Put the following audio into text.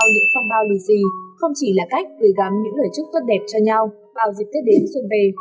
có thể thấy trao nhau những phong bao lùi xì không chỉ là cách gửi gắm những lời chúc tốt đẹp cho nhau vào dịp tết đến xuân về